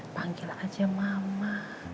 panggil aja mama